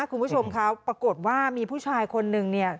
คุณผู้ชมครับปรากฏว่ามีผู้ชายคนนึงเนี่ย